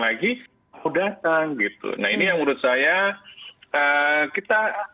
lagi mau datang gitu nah ini yang menurut saya kita